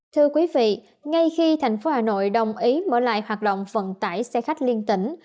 thưa quý vị ngay khi thành phố hà nội đồng ý mở lại hoạt động vận tải xe khách liên tỉnh